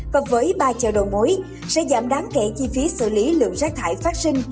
và với ba chợ đầu mối sẽ giảm đáng kể chi phí xử lý lượng rác thải phát sinh